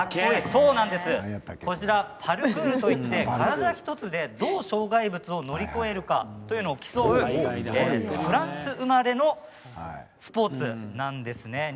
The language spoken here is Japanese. そうなんです、こちらパルクールといって体１つでどう障害物を乗り越えるかというのを競うフランス生まれのスポーツなんです。